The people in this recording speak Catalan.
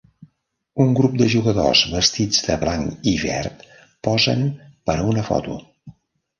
Un grup de jugadors vestits de blanc i verd posen per a una foto.